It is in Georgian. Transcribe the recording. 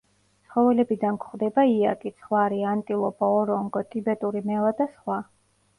ცხოველებიდან გვხვდება იაკი, ცხვარი, ანტილოპა, ორონგო, ტიბეტური მელა და სხვა.